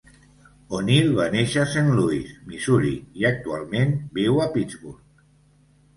O'Neill va néixer a Saint Louis (Missouri) i actualment viu a Pittsburgh.